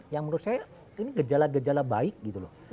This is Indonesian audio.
yang menurut saya ini gejala gejala baik gitu loh